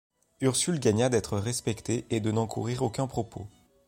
Ursule gagna d’être respectée et de n’encourir aucun propos.